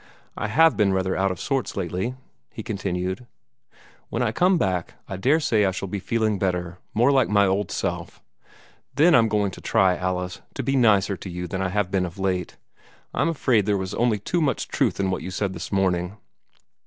I HAVE been rather out of sorts lately," he continued. "When I come back, I daresay I shall be feeling better, more like my old self. Then I'm going to try, Alice, to be nicer to you than I have been of late. I'm afraid there was only too much truth in what you said this morning."